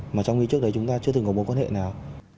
mà trong khi trước đấy chúng ta chưa từng có mối quan hệ nào